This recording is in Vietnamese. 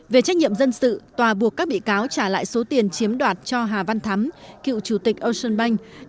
về trách nhiệm dân sự tòa buộc các bị cáo trả lại số tiền chiếm đoạt cho hà văn thắm cựu chủ tịch ocean bank